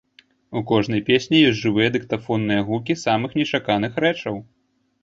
У кожнай песні ёсць жывыя дыктафонныя гукі самых нечаканых рэчаў.